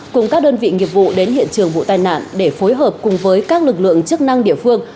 cùng các đơn vị nghiệp vụ đến hiện trường vụ tai nạn để phối hợp cùng với các lực lượng chức năng địa phương